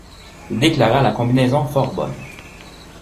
Il déclara la combinaison fort bonne.